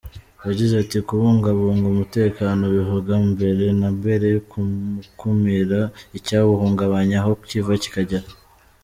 Yagize ati, "Kubungabunga umutekano bivuga mbere na mbere gukumira icyawuhungabanya aho kiva kikagera.